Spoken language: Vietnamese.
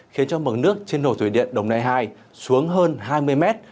khiến cho mừng nước trên hồ thủy điện đồng nại hai xuống hơn hai mươi mét